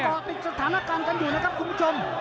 เกาะติดสถานการณ์กันอยู่นะครับคุณผู้ชม